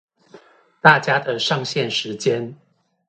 大家的上線時間